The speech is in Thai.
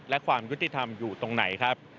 และความยุติธรรมอยู่ตรงไหนครับ